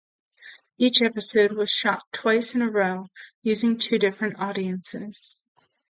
Each episode was shot twice in a row using two different audiences.